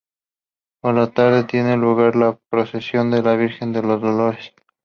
Por la tarde, tiene lugar la procesión de la Virgen de los Dolores.